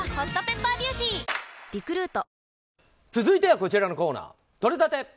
続いてはこちらのコーナーとれたて！